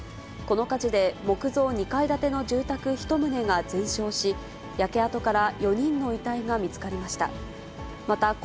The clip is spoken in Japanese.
この火事で、木造２階建ての住宅１棟が全焼し、焼け跡から４人の遺体が見つかりました。